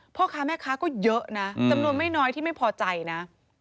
พ่อค้าแม่ค้าก็เยอะนะจำนวนไม่น้อยที่ไม่พอใจนะ